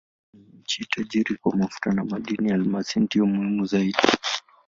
Angola ni nchi tajiri kwa mafuta na madini: almasi ndiyo muhimu zaidi.